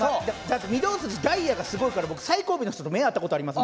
だって御堂筋ダイヤがすごいから最後尾の人と目合ったことありますもん。